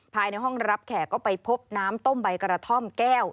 ภายในห้องรับแขกก็ไปพบน้ำต้มใบกระท่อมแก้ว